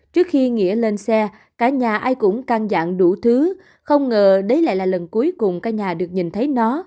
trước khi nghĩa lên xe cả nhà ai cũng căng dạng đủ thứ không ngờ đấy lại là lần cuối cùng căn nhà được nhìn thấy nó